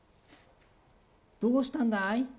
どうしたんだい？